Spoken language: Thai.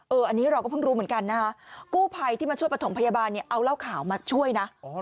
อันนี้เราก็เพิ่งรู้เหมือนกันนะคะกู้ภัยที่มาช่วยประถมพยาบาลเนี่ยเอาเหล้าขาวมาช่วยนะ